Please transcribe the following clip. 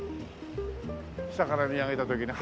下から見上げた時に。